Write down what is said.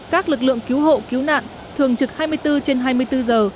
các lực lượng cứu hộ cứu nạn thường trực hai mươi bốn trên hai mươi bốn giờ